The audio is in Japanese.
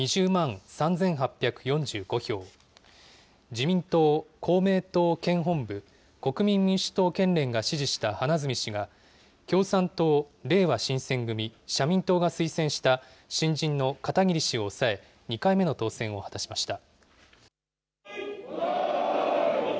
自民党、公明党県本部、国民民主党県連が支持した花角氏が、共産党、れいわ新選組、社民党が推薦した、新人の片桐氏を抑え、２回目の当選を果たしました。